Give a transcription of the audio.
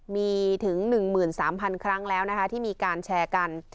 มีถึง๑๓๐๐๐ครั้งแล้วนะคะที่มีการแชร์กัน